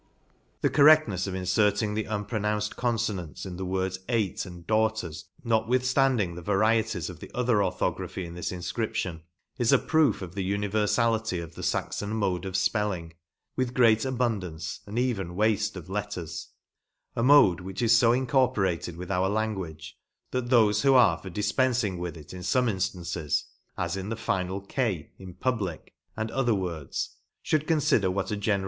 The correctnefs of inferting the unpro nounced confonants in the words Eight and Daughters, not with (landing the varieties of the other orthography in this infcription, is a proof of the univerfality of the Saxon mode of fpelling, with great abundance and even wafte of letters ; a mode, which is fo incorporated with our language, that thofe, who are for difpenfmg with it in fome inftances, as in the final k in " publick" and VOL. II. P other 2io ENGLAND. other words, fhould conflder what a genera!